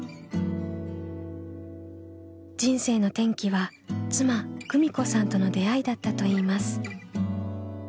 人生の転機は妻久美子さんとの出会いだったといいます。